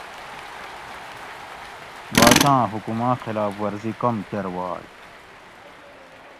باچاں حکماں خلاف ورزی کم کۤرواگ